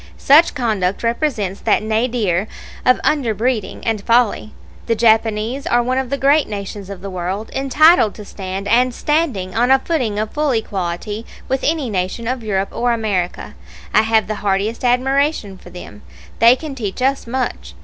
Such conduct represents that nadir of underbreeding and folly. The Japanese are one of the great nations of the world, entitled to stand, and standing, on a footing of full equality with any nation of Europe or America. I have the heartiest admiration for them. They can teach us much.